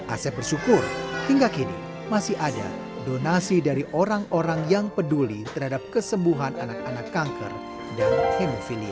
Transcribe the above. asep bersyukur hingga kini masih ada donasi dari orang orang yang peduli terhadap kesembuhan anak anak kanker dan hemofilia